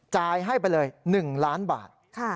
จ่ายให้ไปเลย๑ล้านบาท